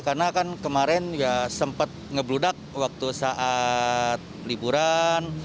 karena kan kemarin ya sempat ngebludak waktu saat liburan